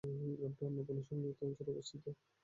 গ্রামটি অন্নপূর্ণা সংরক্ষিত অঞ্চলে অবস্থিত।